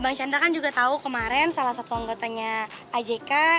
bang chandra kan juga tahu kemarin salah satu anggotanya ajk